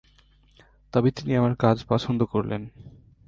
তবে তিনি আমার কাজ পছন্দ করলেন।